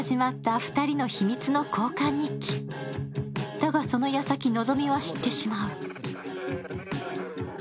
だが、そのやさき、希美は知ってしまう。